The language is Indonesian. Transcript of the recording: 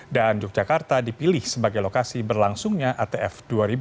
dan yogyakarta dipilih sebagai lokasi berlangsungnya atf dua ribu dua puluh tiga